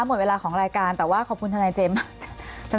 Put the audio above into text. หมดเวลาของรายการแต่ว่าขอบคุณทนายเจมส์มาก